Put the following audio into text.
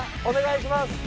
お願いします。